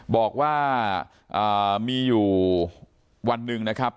บอกว่ามีอยู่วันหนึ่งนะครับ